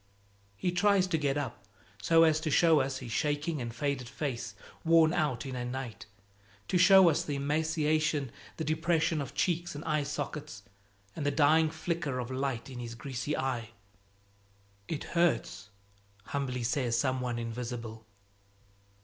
He tries to get up, so as to show us his shaking and faded face, worn out in a night, to show us the emaciation, the depression of cheeks and eye sockets, and the dying flicker of light in his greasy eye. "It hurts!" humbly says some one invisible.